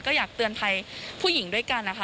ก็อยากเตือนภัยผู้หญิงด้วยกันนะคะ